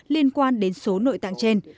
liên quan đến số nội tạng trên